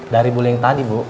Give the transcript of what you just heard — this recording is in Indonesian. dari bu ling tadi bu